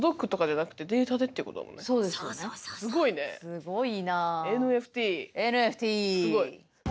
すごい！